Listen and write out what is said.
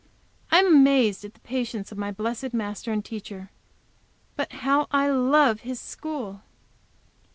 I am amazed at the patience of my blessed Master and Teacher, but how I love His school!